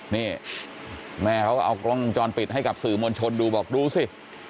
นี่แม่เขาก็เอากล้องวงจรปิดให้กับสื่อมวลชนดูบอกดูสิ